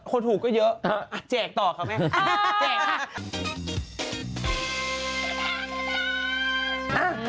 คนถูกก็เยอะแจกต่อครับแม่